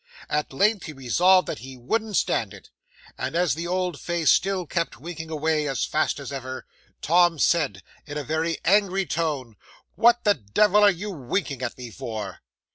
At length he resolved that he wouldn't stand it; and as the old face still kept winking away as fast as ever, Tom said, in a very angry tone '"What the devil are you winking at me for?"